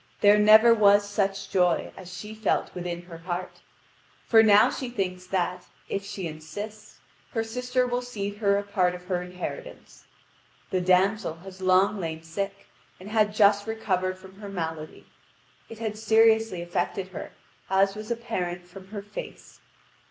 There never was such joy as she felt within her heart. For now she thinks that, if she insists, her sister will cede her a part of her inheritance. The damsel had long lain sick, and had just recovered from her malady. It had seriously affected her, as was apparent from her face.